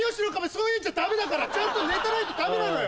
そういうんじゃダメだから。ちゃんとネタないとダメなのよ。